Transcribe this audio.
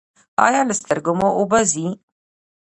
ایا له سترګو مو اوبه ځي؟